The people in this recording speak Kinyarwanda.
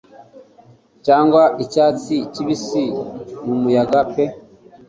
cyangwa icyatsi kibisi. N'umuyaga pe